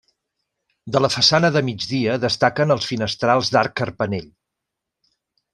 De la façana de migdia destaquen els finestrals d'arc carpanell.